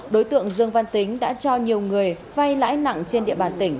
đối tượng dương văn tính đã cho nhiều người vay lãi nặng trên địa bàn tỉnh